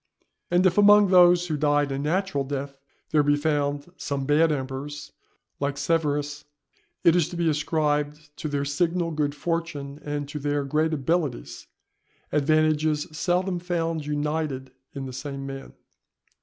And if among those who died a natural death, there be found some bad emperors, like Severus, it is to be ascribed to their signal good fortune and to their great abilities, advantages seldom found united in the same man.